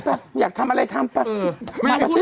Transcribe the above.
ไปอยากทำอะไรทำไป